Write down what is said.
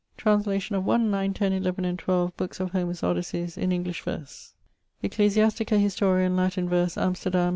Translation of 1, 9, 10, 11 and 1<2> bookes of Homer's Odysses in English verse. Ecclesiastica Historia in Latin verse, Amsterdam.